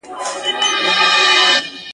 ښوونکی به موضوع تشريح کړې وي.